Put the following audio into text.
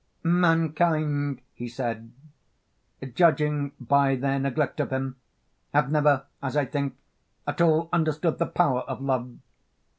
Mankind, he said, judging by their neglect of him, have never, as I think, at all understood the power of Love.